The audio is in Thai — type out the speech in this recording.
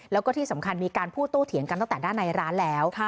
แล้วก็ที่สำคัญมีการพูดโต้เถียงกันตั้งแต่ด้านในร้านแล้ว